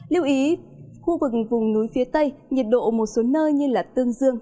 lưu ý khu vực vùng núi phía tây nhiệt độ một số nơi như tương dương